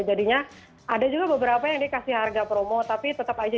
jadinya ada juga beberapa yang dikasih harga promo tapi tetap aja